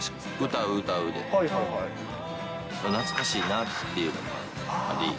歌歌うで、懐かしいなっていうのがあり。